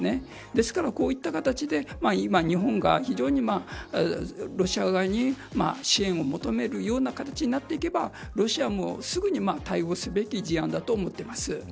ですから、こういった形で今、日本が非常にロシア側に支援を求めるような形になっていけばロシアもすぐに対応すべき事案だと思っています。